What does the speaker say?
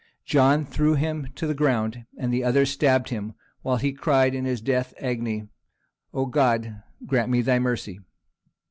John threw him to the ground, and the others stabbed him, while he cried in his death agony, "Oh, God! grant me Thy mercy!"